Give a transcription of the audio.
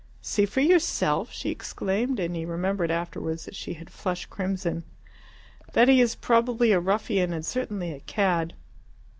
"See for yourself?" she exclaimed, and he remembered afterwards that she had flushed crimson. "That he is probably a ruffian and certainly a cad."